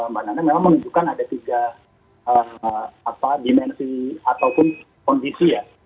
memang menunjukkan ada tiga dimensi ataupun kondisi ya